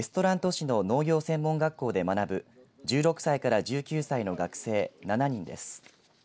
市の農業専門学校で学ぶ１６歳から１９歳の学生７人です。